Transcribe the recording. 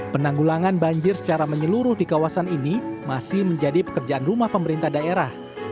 penanggulangan banjir secara menyeluruh di kawasan ini masih menjadi pekerjaan rumah pemerintah daerah